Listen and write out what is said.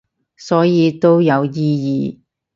所以都有意義